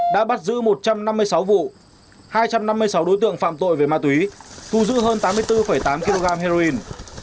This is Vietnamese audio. đã bắt giữ một trăm năm mươi sáu vụ hai trăm năm mươi sáu đối tượng phạm tội về ma túy thu giữ hơn tám mươi bốn tám kg heroin